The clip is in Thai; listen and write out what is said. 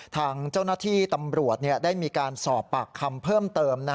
ทางเจ้าหน้าที่ตำรวจได้มีการสอบปากคำเพิ่มเติม